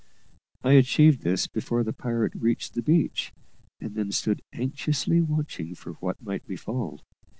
I achieved this before the pirate reached the beach, and then stood anxiously watching for what might befall.